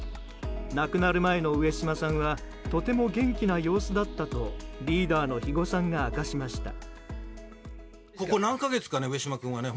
亡くなる前の上島さんはとても元気な様子だったとリーダーの肥後さんが明かしました。